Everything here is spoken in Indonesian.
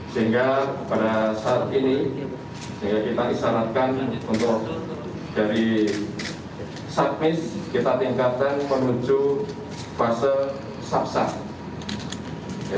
sehingga pada saat ini kita isyaratkan untuk dari sakmis kita tingkatkan menuju fase sapsah